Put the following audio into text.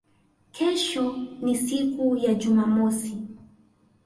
Kesho ni siku ya Jumamosi